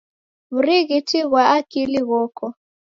W'urighiti ghwa akili ghoko.